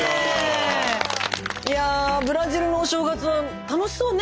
いやブラジルのお正月楽しそうね。